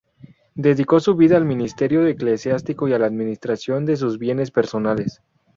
Dedicó su vida al ministerio eclesiástico y a la administración de sus bienes personales.